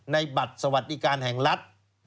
บัตรสวัสดิการแห่งรัฐ